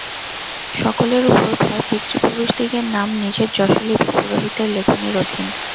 সকলের উপর ভয়-পিতৃপুরুষদিগের নাম, নিজের যশোলিপি পুরোহিতের লেখনীর অধীন।